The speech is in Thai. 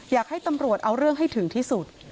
อยากให้ตำรวจเอาเรื่องให้ถึงที่สุด